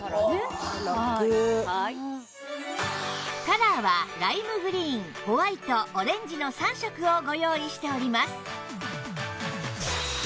カラーはライムグリーンホワイトオレンジの３色をご用意しております